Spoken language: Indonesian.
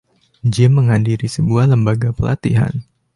Jim menghadiri sebuah lembaga pelatihan.